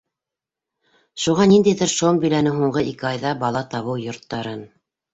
Шуға ниндәйҙер шом биләне һуңғы ике айҙа бала табыу йорттарын.